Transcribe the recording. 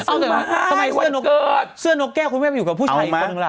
ทำไมเสื้อนกแก้วคุณไม่ได้ไปอยู่กับผู้ชายอีกประมาณนึงล่ะ